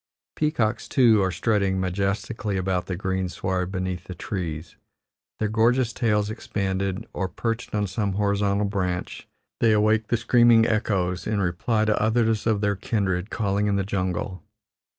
Peacocks, too, are strutting majestically about the greensward beneath the trees, their gorgeous tails expanded, or, perched on some horizontal branch, they awake the screaming echoes in reply to others of their kindred calling in the jungle.